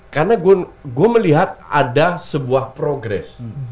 karena gue melihat ada sebuah progres